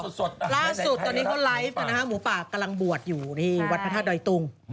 ล่าสุดตอนนี้เขาไลฟ์หมูป่ากำลังบวชอยู่ที่วัดพระธาตุดอยตุง